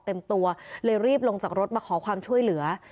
เลือดออกเป็นรวบที่ได้สักทีเลย